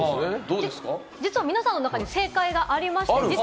実は皆さんの中で正解があります。